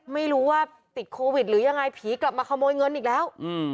ไม่รู้ว่าติดโควิดหรือยังไงผีกลับมาขโมยเงินอีกแล้ว